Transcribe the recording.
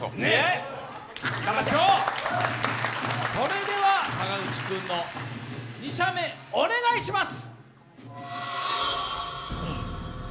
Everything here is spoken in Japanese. それでは坂口君の２射目、お願いします。